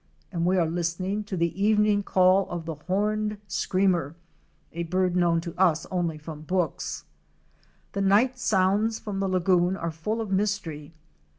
and we are listening to the evening call of the Horned Screamer,*! a bird known to us only from books. The night sounds from the lagoon are full of mystery.